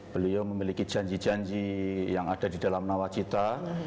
beliau memiliki janji janji yang ada di dalam nawacita